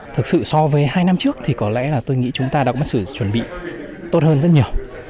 thực sự so với hai năm trước thì có lẽ là tôi nghĩ chúng ta đã có sự chuẩn bị tốt hơn rất nhiều